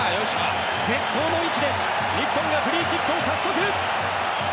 絶好の位置で日本がフリーキックを獲得！